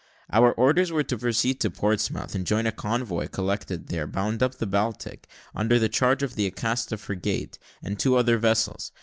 Our orders were to proceed to Portsmouth, and join a convoy collected there, bound up the Baltic, under the charge of the Acasta frigate, and two other vessels.